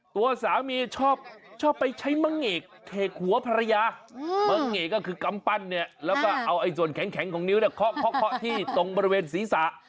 ตัวสามีชอบไปใช้มะเงกเขกหัวภรรยาเมืองเงกก็คือกำปั้นเนี่ยแล้วก็เอาส่วนแข็งของนิ้วเนี่ยเคาะที่ตรงบริเวณศีรษะ